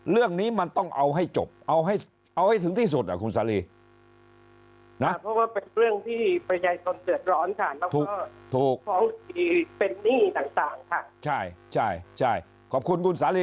เรื่องนี้ต้องเอาให้จบเอาให้ถึงที่สุด